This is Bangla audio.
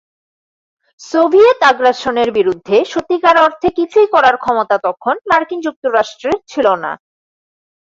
সোভিয়েত আগ্রাসনের বিরুদ্ধে সত্যিকার অর্থে কিছুই করার ক্ষমতা তখন মার্কিন যুক্তরাষ্ট্রের ছিল না।